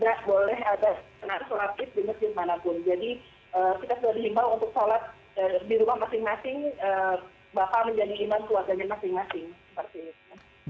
jadi kita sudah dihimbau untuk sholat di rumah masing masing bakal menjadi iman keluarganya masing masing